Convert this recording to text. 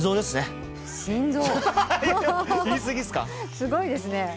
すごいですね。